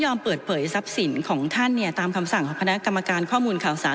เปิดเผยทรัพย์สินของท่านเนี่ยตามคำสั่งของคณะกรรมการข้อมูลข่าวสาร